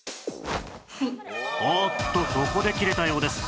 おっとここで切れたようです